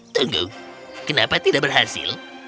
tunggu kenapa tidak berhasil